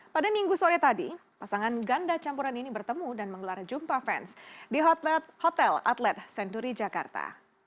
pada minggu sore tadi pasangan ganda campuran ini bertemu dan menggelar jumpa fans di hotel atlet senturi jakarta